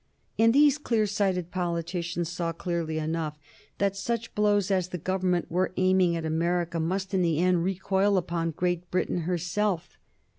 And these clear sighted politicians saw plainly enough that such blows as the Government were aiming at America must in the end recoil upon Great Britain herself.